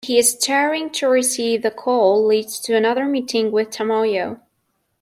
His tarrying to receive the call leads to another meeting with Tomoyo.